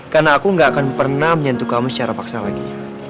karena aku nggak akan pernah menyentuh kamu secara paksa lagi